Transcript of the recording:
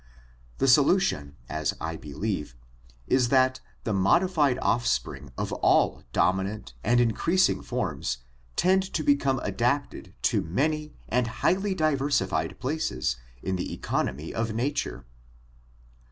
... The solution, as I believe, is that the modified offspring of all dominant and increas ing forms tend to become adapted to many and highly diversified places in the economy of nature."